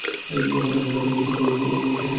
হঠাৎ ওর এত কলকাতা যাওয়ার শখ হল কেন?